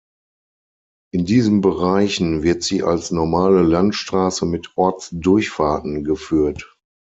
In diesen Bereichen wird sie als normale Landstraße mit Ortsdurchfahrten geführt.